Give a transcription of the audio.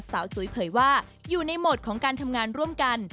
จุ๋ยเผยว่าอยู่ในโหมดของการทำงานร่วมกัน